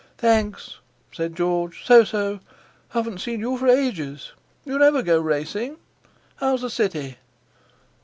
"Thanks," said George; "so so. Haven't seen you for ages. You never go racing. How's the City?"